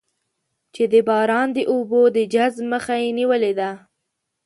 چې د باران د اوبو د جذب مخه یې نېولې ده.